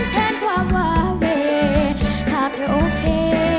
แทนความว่าเว่ถ้าพี่โอเค